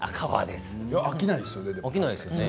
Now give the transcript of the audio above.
でも飽きないですよね